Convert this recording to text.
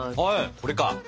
これか。